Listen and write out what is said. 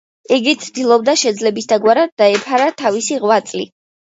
იგი ცდილობდა, შეძლებისდაგვარად დაეფარა თავისი ღვაწლი.